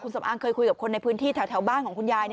สำอางเคยคุยกับคนในพื้นที่แถวบ้านของคุณยาย